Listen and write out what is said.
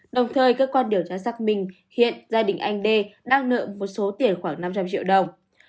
đồng thời cơ quan điều tra xác minh hiện gia đình anh đê đang nợ một số tiền khoảng năm trăm linh triệu đồng